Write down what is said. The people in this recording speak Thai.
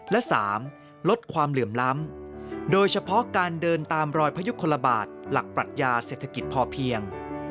และ๓ลดความเหลื่อมล้ำโดยเฉพาะการเดินตามรอยพยุคลบาทหลักปรัชญาเศรษฐกิจพอเพียง